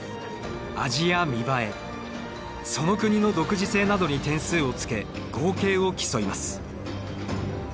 味や見栄えその国の独自性などに点数をつけ合計を競います。